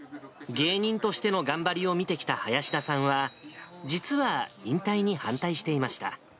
芸人としての頑張りを見てきた林田さんは、実は引退に反対していました。